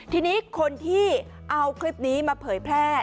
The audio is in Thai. ทีนี้คนที่เอาคลิปนี้มาเผยแพร่